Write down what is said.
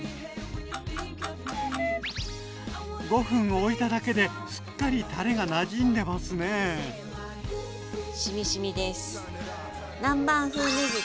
５分おいただけですっかりたれがなじんでますね。